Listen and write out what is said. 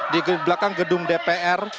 di belakang gedung dpr